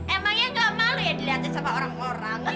emangnya gak malu ya dilihatin sama orang orang